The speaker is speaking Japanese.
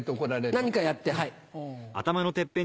何かやってはい。